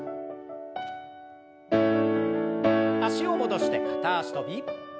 脚を戻して片脚跳び。